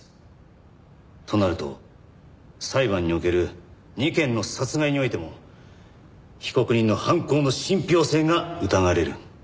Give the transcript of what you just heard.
となると裁判における２件の殺害においても被告人の犯行の信憑性が疑われる。